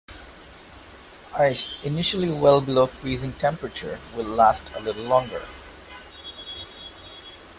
Ice initially well below freezing temperature will last a little longer.